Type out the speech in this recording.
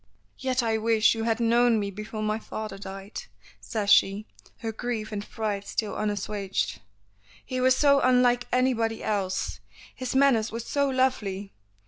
"Yet I wish you had known me before my father died," says she, her grief and pride still unassuaged. "He was so unlike anybody else. His manners were so lovely.